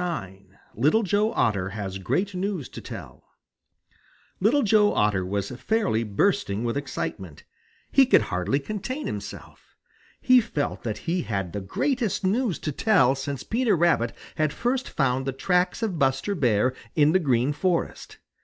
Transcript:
IX LITTLE JOE OTTER HAS GREAT NEWS TO TELL Little Joe Otter was fairly bursting with excitement. He could hardly contain himself. He felt that he had the greatest news to tell since Peter Rabbit had first found the tracks of Buster Bear in the Green Forest.